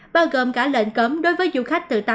bao gồm cả lệnh cấm đối với du khách và các bạn